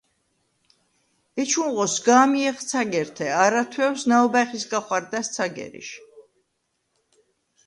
ეჩუნღო სგა̄მიეხ ცაგერთე. არა თუ̂ეუ̂ს ნაუ̂ბა̈ხისგა ხუ̂არდა̈ს ცაგერიშ.